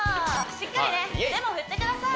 しっかりね腕も振ってください